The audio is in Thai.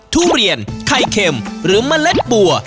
ทุเรียนไข่เค็มหรือเมล็ดบัว